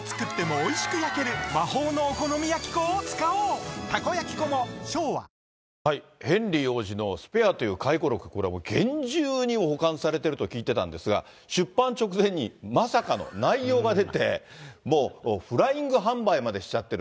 さらにヘンリー王子に続き、ヘンリー王子のスペアという回顧録、これもう、厳重に保管されていると聞いてたんですが、出版直前にまさかの内容が出て、もう、フライング販売までしちゃってる。